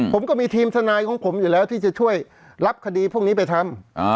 ผมก็มีทีมทนายของผมอยู่แล้วที่จะช่วยรับคดีพวกนี้ไปทำ